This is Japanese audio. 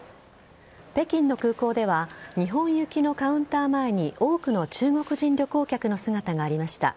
北京の空港では日本行きのカウンター前に多くの中国人旅行客の姿がありました。